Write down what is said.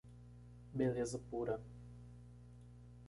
Beleza pura.